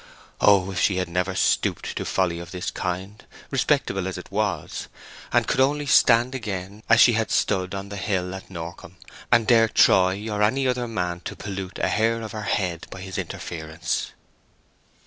Oh, if she had never stooped to folly of this kind, respectable as it was, and could only stand again, as she had stood on the hill at Norcombe, and dare Troy or any other man to pollute a hair of her head by his interference!